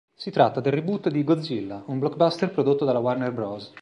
Si tratta del reboot di "Godzilla", un blockbuster prodotto dalla Warner Bros.